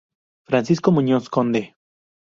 Francisco Muñoz Conde.